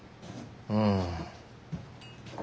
うん。